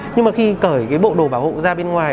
nhưng mà khi cởi cái bộ đồ bảo hộ ra bên ngoài